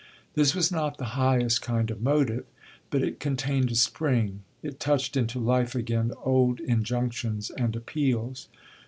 This was not the highest kind of motive, but it contained a spring, it touched into life again old injunctions and appeals.